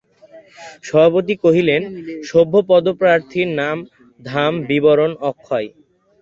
সভাপতি কহিলেন, সভ্যপদপ্রার্থীদের নাম ধাম বিবরণ– অক্ষয়।